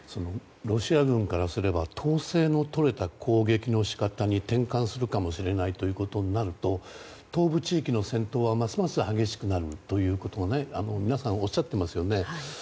ロシア軍からすれば統制の取れた攻撃の仕方に転換するかもしれないとなると東部地域の戦闘はますます激しくなるということを皆さんおっしゃっていますよね。